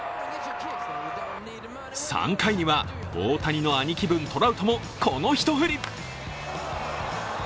３回には、大谷の兄貴分トラウトもこの一振り。